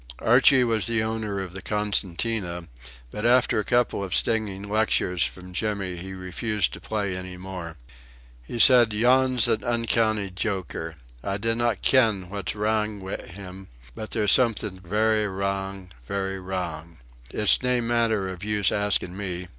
Archie was the owner of the concertina; but after a couple of stinging lectures from Jimmy he refused to play any more. He said: "Yon's an uncanny joker. I dinna ken what's wrang wi' him, but there's something verra wrang, verra wrang. It's nae manner of use asking me.